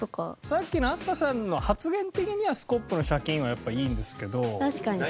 さっきの飛鳥さんの発言的にはスコップのシャキーンはやっぱいいんですけど。